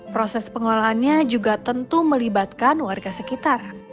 proses pengolahannya juga tentu melibatkan warga sekitar